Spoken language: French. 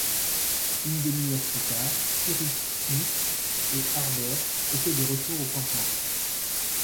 Une demi-heure plus tard, Cyrus Smith et Harbert étaient de retour au campement